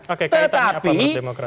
oke kaitannya apa buat demokrat